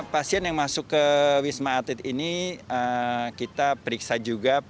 pasien yang masuk ke wisma atlet ini kita periksa juga